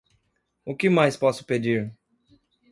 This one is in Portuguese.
O que mais posso pedir?